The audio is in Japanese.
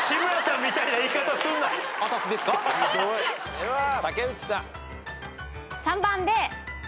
では竹内さん。